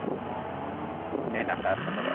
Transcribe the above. নে, না, স্যার, ধন্যবাদ!